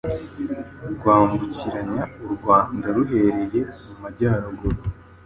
Rwambukiranya u Rwanda, ruhereye mu majyaruguru